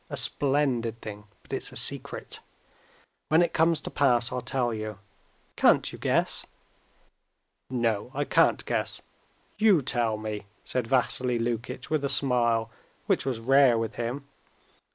A splendid thing; but it's a secret! When it comes to pass I'll tell you. Can't you guess!" "No, I can't guess. You tell me," said Vassily Lukitch with a smile, which was rare with him.